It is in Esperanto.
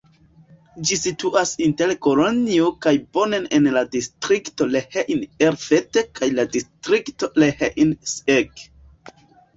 Ĝi situas inter Kolonjo kaj Bonn en la distrikto Rhein-Erft kaj la distrikto Rhein-Sieg.